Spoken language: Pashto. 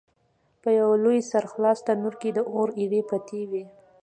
په یوه لوی سره خلاص تنور کې د اور ایرې پرتې وې.